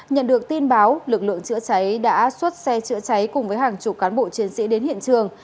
nhận được tin báo lực lượng chữa cháy đã xuất xe chữa cháy cùng với hàng chục cán bộ chiến sĩ đến hiện trường